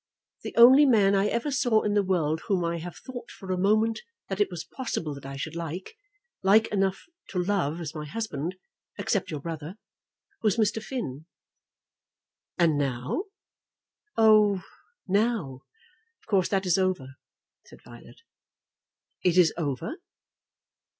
The only man I ever saw in the world whom I have thought for a moment that it was possible that I should like, like enough to love as my husband, except your brother, was Mr. Finn." "And now?" "Oh; now; of course that is over," said Violet. "It is over?"